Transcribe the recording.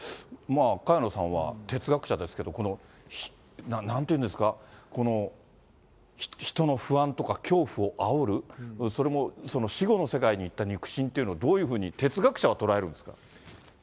萱野さんは哲学者ですけれども、この、なんていうんですかこの、人の不安とか恐怖をあおる、それも死後の世界に行った肉親っていうのは、哲学者はどう捉えるんですか。